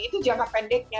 itu jangka pendeknya